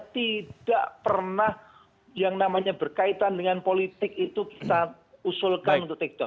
tidak pernah yang namanya berkaitan dengan politik itu kita usulkan untuk take dow